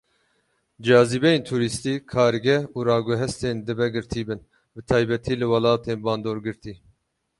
Cazîbeyên tûrîstî, kargeh, û raguhestin dibe girtî bin, bi taybetî li welatên bandorgirtî.